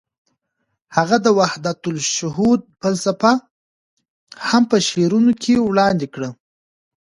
هغه د وحدت الشهود فلسفه هم په شعرونو کې وړاندې کړه.